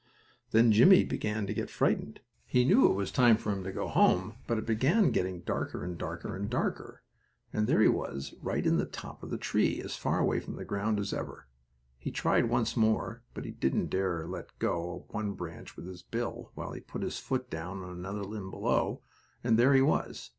Then Jimmie began to get frightened. He knew it was time for him to go home, but it began getting darker and darker and darker, and there he was right in the top of the tree, as far away from the ground as ever. He tried once more, but he didn't dare let go of one branch with his bill, while he put his foot down on another limb below, and there he was.